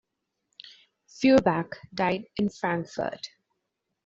Feuerbach died in Frankfurt.